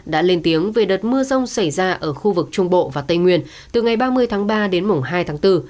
đã lên tiếng về đợt mưa rông xảy ra ở khu vực trung bộ và tây nguyên từ ngày ba mươi tháng ba đến mùng hai tháng bốn